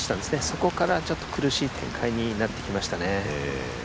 そこから苦しい展開になってきましたね。